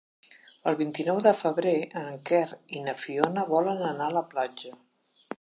El vint-i-nou de febrer en Quer i na Fiona volen anar a la platja.